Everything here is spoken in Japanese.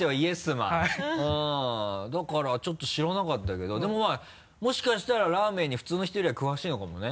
だからちょっと知らなかったけどでもまぁもしかしたらラーメンに普通の人よりは詳しいのかもね。